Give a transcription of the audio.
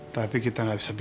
tapi kita gak bisa berhenti